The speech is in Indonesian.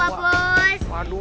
jatuhnya dibawa bos